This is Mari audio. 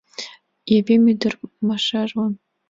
Епим ӱдыр Машажлан